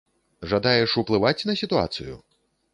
Жадаеш ўплываць на сітуацыю?